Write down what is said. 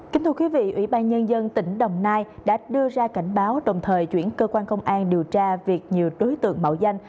kính thưa quý vị ủy ban nhân dân tỉnh đồng nai đã đưa ra cảnh báo đồng thời chuyển cơ quan công an điều tra việc nhiều đối tượng mạo danh